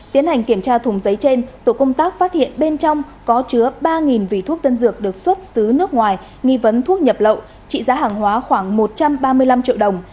tiến hành kiểm tra thùng giấy trên tổ công tác phát hiện bên trong có chứa ba vỉ thuốc tân dược được xuất xứ nước ngoài nghi vấn thuốc nhập lậu trị giá hàng hóa khoảng một trăm ba mươi năm triệu đồng